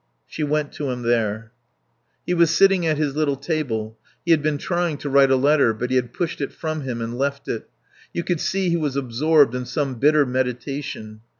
She went to him there. He was sitting at his little table. He had been trying to write a letter, but he had pushed it from him and left it. You could see he was absorbed in some bitter meditation.